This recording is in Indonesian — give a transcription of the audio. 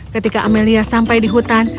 ketika amelia sampai di hutan